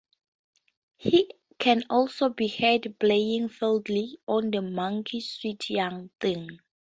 He can also be heard playing fiddle on the Monkees' "Sweet Young Thing".